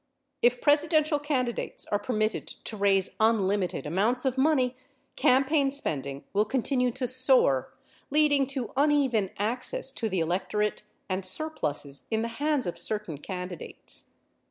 If Presidential candidates are permitted to raise unlimited amounts of money, campaign spending will con tinue to soar leading to uneven access to the electorate and surpluses in the hands of certain candidates.